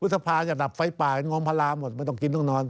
ฟูสภาษณ์จะดับไฟป่าแหไม่ต้องกินต้องนอน